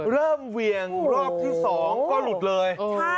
เริ่มเหวี่ยงรอบที่สองก็หลุดเลย